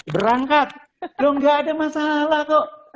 berangkat kau gak ada masalah kok